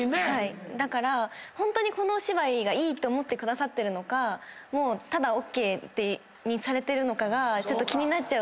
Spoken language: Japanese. だからホントにこのお芝居がいいって思ってくださってるのかただＯＫにされてるのかが気になっちゃう部分は。